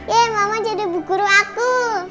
ye mama jadi buku guru aku